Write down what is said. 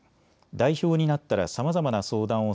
代表になったらさまざまな相談を